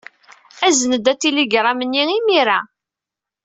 Azen-d atiligṛam-nni imir-a.